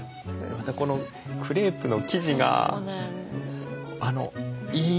またこのクレープの生地がいい弾力があって。